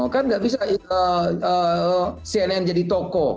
kan nggak bisa cnn jadi toko